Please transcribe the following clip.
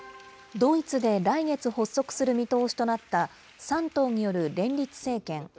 ドイツで来月発足する見通しとなった３党による連立政権。